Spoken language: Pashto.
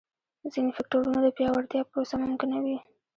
ځیني فکټورونه د پیاوړتیا پروسه ممکنوي.